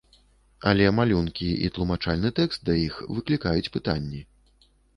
Але малюнкі і тлумачальны тэкст да іх выклікаюць пытанні.